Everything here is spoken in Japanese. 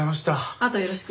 あとよろしく。